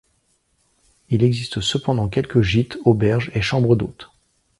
Il existe cependant quelques gîtes, auberges et chambres d'hôtes.